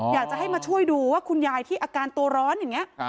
อยากจะให้มาช่วยดูว่าคุณยายที่อาการตัวร้อนอย่างนี้